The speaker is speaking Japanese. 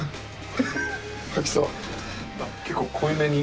結構濃いめに。